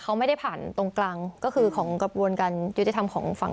เขาไม่ได้ผ่านตรงกลางก็คือของกระบวนการยุติธรรมของฝั่ง